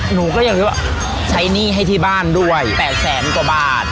หนูก็ยังคิดว่าใช้หนี้ให้ที่บ้านด้วย๘แสนกว่าบาท